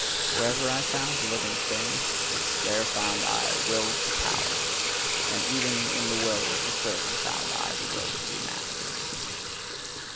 Wherever I found a living thing, there found I Will to Power; and even in the will of the servant found I the will to be master.